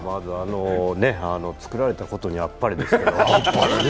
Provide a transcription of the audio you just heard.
作られたことにあっぱれです。